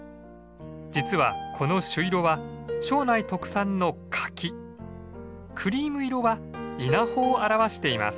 実はこの朱色は庄内特産の柿クリーム色は稲穂を表しています。